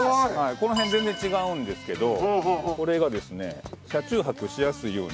この辺全然違うんですけどこれがですね車中泊しやすいように。